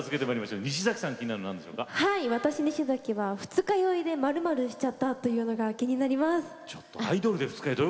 二日酔いで〇〇しちゃったというのが気になります。